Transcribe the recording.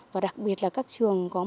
và đặc biệt là các trường có mô hình